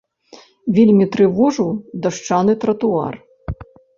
Вельмі трывожыў дашчаны тратуар.